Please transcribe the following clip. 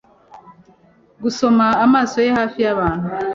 Gusoma amaso ye hafi yabantu